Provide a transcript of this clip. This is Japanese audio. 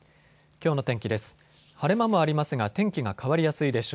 きょうの天気です。